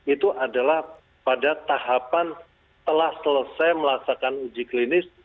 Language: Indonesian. itu adalah pada tahapan telah selesai melaksanakan uji klinis